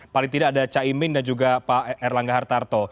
paling tidak ada caimin dan juga pak erlangga hartarto